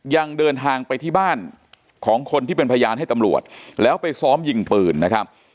ยังเดินทางไปที่บ้านของคนที่เป็นพยานให้ตำรวจแล้วไปซ้อมยิงปืนนะครับ